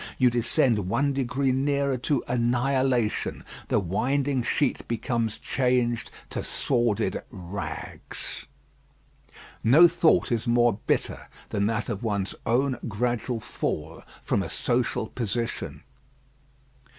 You descend one degree nearer to annihilation. The winding sheet becomes changed to sordid rags. No thought is more bitter than that of one's own gradual fall from a social position.